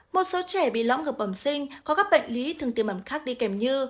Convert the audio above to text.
một số trẻ bị lõng ngực bẩm sinh có các bệnh lý thường tiêm ẩm khác đi kèm như